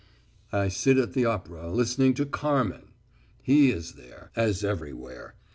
I sit at the opera listening to "Carmen." He is there, as everywhere.